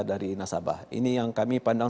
dari nasabah ini yang kami pandang